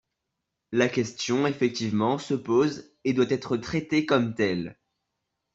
La question, effectivement, se pose et doit être traitée comme telle.